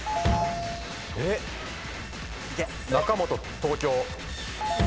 えっ⁉中本東京。